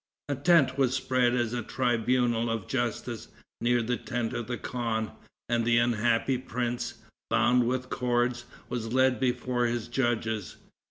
A tent was spread as a tribunal of justice, near the tent of the khan; and the unhappy prince, bound with cords, was led before his judges.